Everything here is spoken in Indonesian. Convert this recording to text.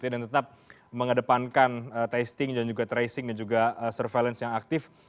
dan tetap mengedepankan testing dan juga tracing dan juga surveillance yang aktif